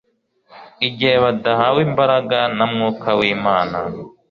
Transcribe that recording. Igihe badahawe imbaraga na Mwuka wImana